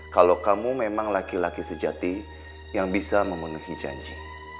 kalau kamu memang laki laki sejati yang bisa memenuhi janji